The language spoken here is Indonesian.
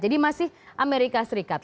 jadi masih amerika serikat